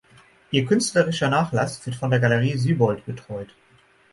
Ihr künstlerischer Nachlass wird von der Galerie Seybold betreut.